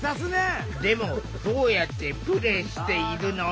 でもどうやってプレイしているの？